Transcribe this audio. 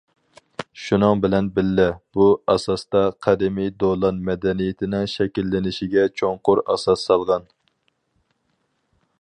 شۇنىڭ بىلەن بىللە، بۇ ئاساستا قەدىمىي دولان مەدەنىيىتىنىڭ شەكىللىنىشىگە چوڭقۇر ئاساس سالغان.